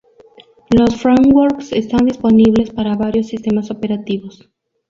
Los Frameworks están disponibles para varios sistemas operativos.